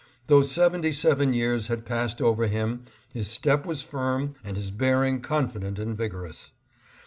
Though seventy seven years had passed over him his step was firm and his bearing confident and vigorous.